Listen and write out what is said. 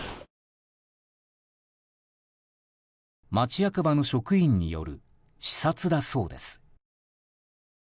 町役場の職員による視察だそうです。